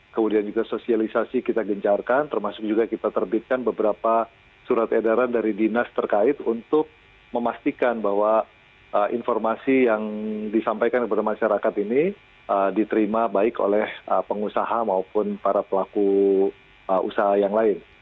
kemudian juga sosialisasi kita gencarkan termasuk juga kita terbitkan beberapa surat edaran dari dinas terkait untuk memastikan bahwa informasi yang disampaikan kepada masyarakat ini diterima baik oleh pengusaha maupun para pelaku usaha yang lain